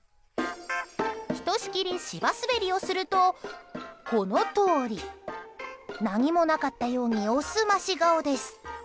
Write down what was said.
ひとしきり芝滑りをするとこのとおり。何もなかったようにおすまし顔です。